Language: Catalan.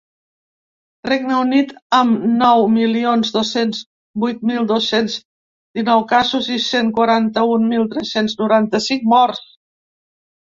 Regne Unit, amb nou milions dos-cents vuit mil dos-cents dinou casos i cent quaranta-un mil tres-cents noranta-cinc morts.